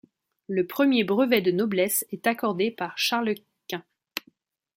Le premier brevet de noblesse est accordée par Charles Quint.